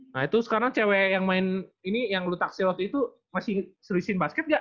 nah itu sekarang cewek yang main ini yang lu taksi waktu itu masih serisih basket gak